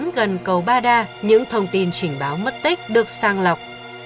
gần cầu ba đa những thông tin trình báo mất tích được sang lọc